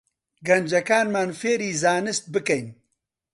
گەنجەکانمان فێری زانست بکەین